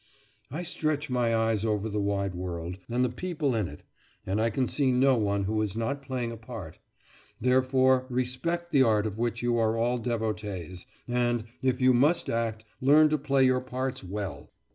I stretch my eyes over the wide world, and the people in it, and I can see no one who is not playing a part; therefore respect the art of which you are all devotees, and, if you must act, learn to play your parts well.